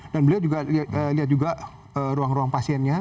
dan beliau juga lihat ruang ruang pasiennya